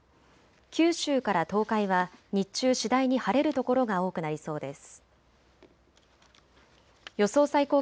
九州から東海は日中次第に晴れる所が多くなりそうです。